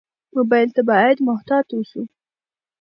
موبایل ته باید محتاط ووسو.